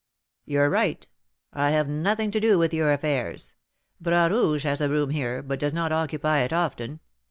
"You're right; I have nothing to do with your affairs. Bras Rouge has a room here, but does not occupy it often.